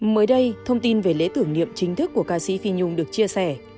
mới đây thông tin về lễ tưởng nghiệm chính thức của ca sĩ phi nhung được chia sẻ